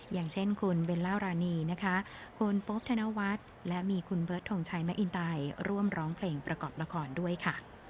อย่างเช่นคุณเบลล่ารานีนะคะคุณโป๊ปธนวัฒน์และมีคุณเบิร์ตทงชัยแมคอินไตร่วมร้องเพลงประกอบละครด้วยค่ะ